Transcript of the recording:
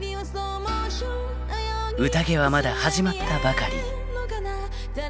［宴はまだ始まったばかり］